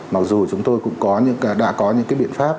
mặc dù chúng tôi cũng đã có những cái biện pháp